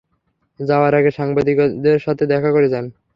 যাওয়ার আগে সাংবাদিকদের সাথে দেখা করে যান।